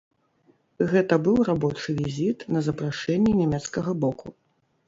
Гэта быў рабочы візіт на запрашэнне нямецкага боку.